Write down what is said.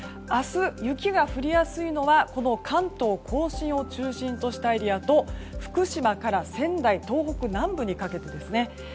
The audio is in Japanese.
明日、雪が降りやすいのはこの関東・甲信を中心としたエリアと福島から仙台東北南部にかけてですね。